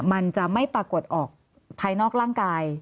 มันจะไม่ปรากฏออกภายนอกร่างกาย